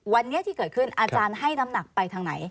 วันนี้ที่เกิดขึ้นอาจารย์ให้น้ำหนักไปทางไหน